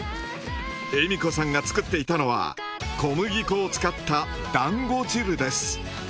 恵美子さんが作っていたのは小麦粉を使っただんご汁です。